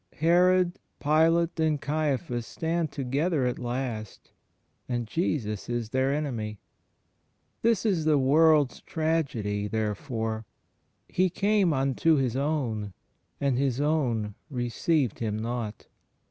Herod, Pilate and Caiphas stand together at last, and Jesus is their enemy. This is the world's tragedy, therefore: "He came xmto His own, and His own received Him not."